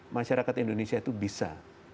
masyarakat indonesia itu bisa